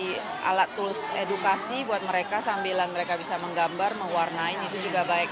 jadi alat tools edukasi buat mereka sambil mereka bisa menggambar mewarnai itu juga baik